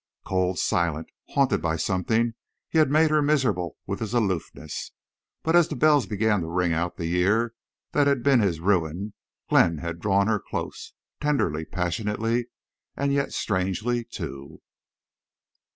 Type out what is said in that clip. Cold, silent, haunted by something, he had made her miserable with his aloofness. But as the bells began to ring out the year that had been his ruin Glenn had drawn her close, tenderly, passionately, and yet strangely, too.